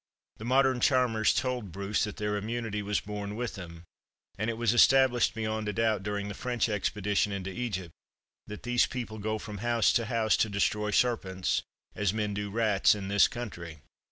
The modern charmers told Bruce that their immunity was born with them; and it was established beyond a doubt, during the French expedition into Egypt, that these people go from house to house to destroy serpents, as men do rats in this country.